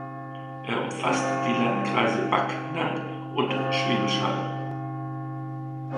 Er umfasste die Landkreise Backnang und Schwäbisch Hall.